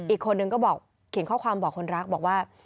อีกคนนึงก็บอกเขียนข้อความบอกคนรักบอกว่า